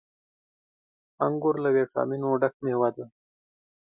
• انګور له ويټامينونو ډک مېوه ده.